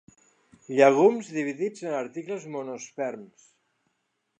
Llegums dividits en articles monosperms.